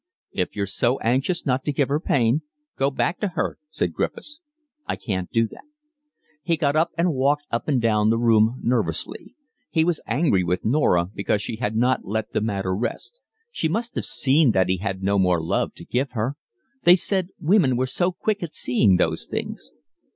"If you're so anxious not to give her pain, go back to her," said Griffiths. "I can't do that." He got up and walked up and down the room nervously. He was angry with Norah because she had not let the matter rest. She must have seen that he had no more love to give her. They said women were so quick at seeing those things.